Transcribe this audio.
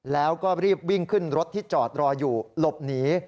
แล้วก็รีบวิ่งขึ้นรถที่จอดรออยู่หลบหนี